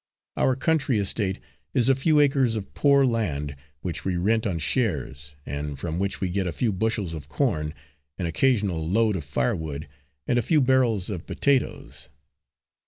Our country estate is a few acres of poor land, which we rent on shares, and from which we get a few bushels of corn, an occasional load of firewood, and a few barrels of potatoes.